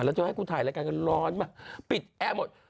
แล้วเธอให้กูถ่ายรายการกันร้อนมาปิดแอร์หมด